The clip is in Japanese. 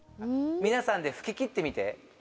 皆さんで吹き切ってみて。